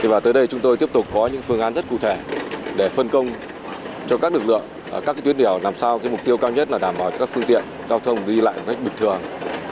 và tới đây chúng tôi tiếp tục có những phương án rất cụ thể để phân công cho các lực lượng các tuyến điểm làm sao mục tiêu cao nhất là đảm bảo cho các phương tiện giao thông đi lại một cách bình thường